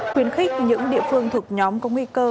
khuyến khích những địa phương thuộc nhóm công nghi cơ